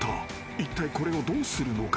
［いったいこれをどうするのか？］